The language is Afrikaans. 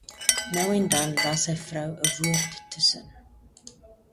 Nou en dan las sy vrou ’n woord tussen.